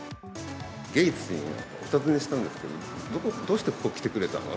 ゲイツ氏にお尋ねしたんですけど、どうしてここ来てくれたの？